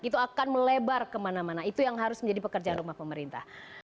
itu akan melebar kemana mana itu yang harus menjadi pekerjaan rumah pemerintah